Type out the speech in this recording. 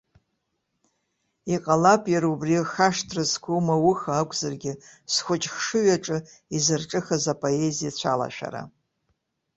Иҟалап, иара убри хашҭра зқәым ауха акәзаргьы схәыҷхшыҩ аҿы изырҿыхаз апоезиа цәалашәара.